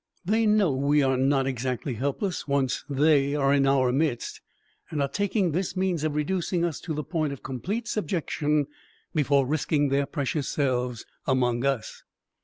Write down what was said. They know we are not exactly helpless, once they are in our midst, and are taking this means of reducing us to the point of complete subjection before risking their precious selves among us."